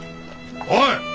おい！